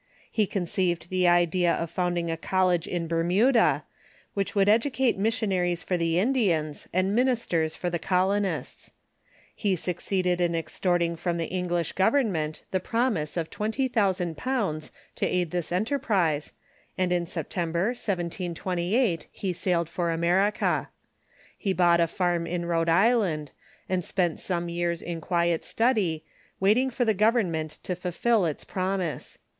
lie conceived the idea of found ing a college in Bermuda, which would educate missionaries for the Indians and ministers for the colonists. He Berkeley in s„(.(.eeded in extorting from the English government America ^.. the promise of £20,000 to aid this enterprise, and in September, 1728, he sailed for America. He bought a farm in Rhode Island, and spent some years in quiet study, waiting for the government to fulfil its promise.